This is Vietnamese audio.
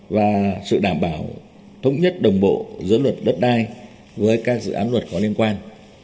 và sự đảm bảo thống nhất đồng bộ giữa luật đất đai với các dự án luật có liên quan